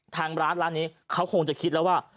ทางร้านร้านนี้เขาคงจะคิดแล้วว่า